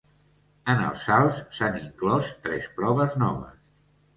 En els salts s'han inclòs tres proves noves.